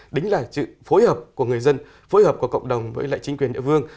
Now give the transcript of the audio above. đính là sự phối hợp của người dân phối hợp của cộng đồng với lại chính quyền địa phương